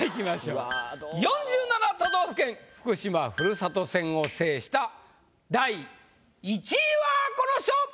都道府県福島ふるさと戦を制した第１位はこの人！